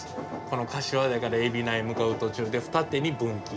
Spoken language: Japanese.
このかしわ台から海老名へ向かう途中で二手に分岐。